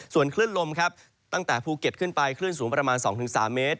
ส่วนคลื่นลมครับตั้งแต่ภูเก็ตขึ้นไปคลื่นสูงประมาณ๒๓เมตร